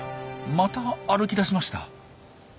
また歩き出しました。